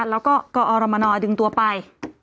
แล้วก็กอรมนดึงตัวไป